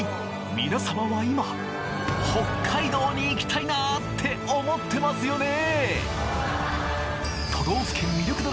皆様は今北海道に行きたいなって思ってますよね！？